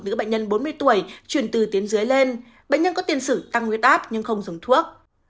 nữ bệnh nhân bốn mươi tuổi chuyển từ tiến dưới lên bệnh nhân có tiền sử tăng huyết áp nhưng không dùng thuốc